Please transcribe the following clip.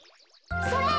それ！